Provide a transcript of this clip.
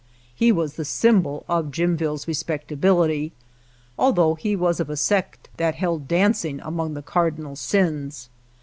He was the symbol of Jimville's respecta bility, although he was of a sect that held dancing among the cardinal sins.